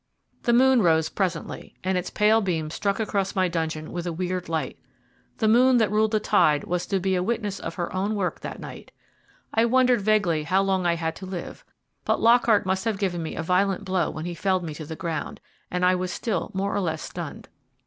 The moon rose presently, and its pale beams struck across my dungeon with a weird light. The moon that ruled the tide was to be a witness of her own work that night. I wondered vaguely how long I had to live; but Lockhart must have given me a violent blow when he felled me to the ground, and I was still more or less stunned.